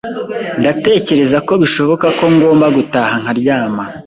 Ndatekereza ko bishoboka ko ngomba gutaha nkaryama.